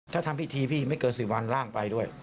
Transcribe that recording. ถ้าทำพิธีพี่ไม่เกิน๑๐วันร่างไปด้วย